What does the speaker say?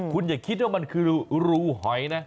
คุณอย่าคิดว่ามันคือรูหอยนะ